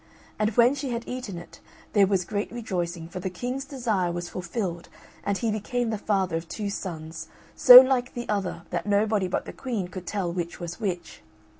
And when she had eaten it, there was great rejoicing, for the King's desire was fulfilled and he became the father of two sons, so like the other that nobody but the Queen could tell which was which.